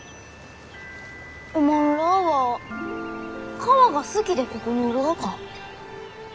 おまんらあは川が好きでここにおるがか？